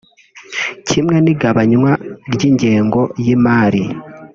Kimwe n’igabanywa ry’ingengo y’imari